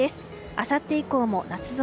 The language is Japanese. あさって以降も夏空。